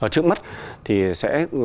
trước mắt thì sẽ